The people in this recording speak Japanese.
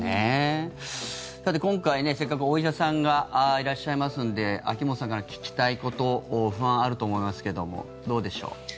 さて、今回せっかくお医者さんがいらっしゃいますので秋本さんから聞きたいこと不安あると思いますけどもどうでしょう？